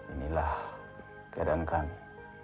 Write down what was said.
inilah keadaan kami